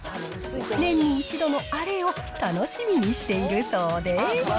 年に１度のあれを楽しみにしているそうで。